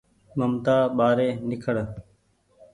ممتآ ٻآري نيکڙ